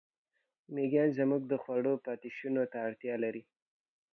مېږیان زموږ د خوړو پاتېشونو ته اړتیا لري.